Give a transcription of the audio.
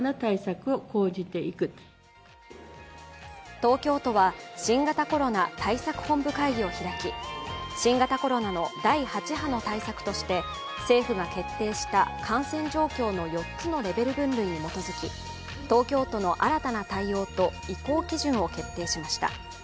東京都は新型コロナ対策本部会議を開き新型コロナの第８波の対策として政府が決定した感染状況の４つのレベル分類に基づき、東京都の新たな対応と移行基準を決定しました。